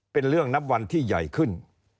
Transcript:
เป็นเรื่องนับวันที่ใหญ่ขึ้น